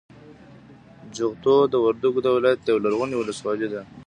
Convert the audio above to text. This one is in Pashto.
جغتو د وردګو د ولایت یوه غرنۍ ولسوالي ده.